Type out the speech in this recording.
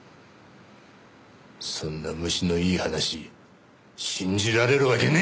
そんな虫のいい話信じられるわけねえだろ！